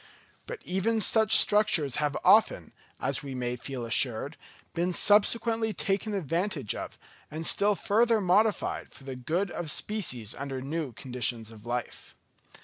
But even such structures have often, as we may feel assured, been subsequently taken advantage of, and still further modified, for the good of species under new conditions of life.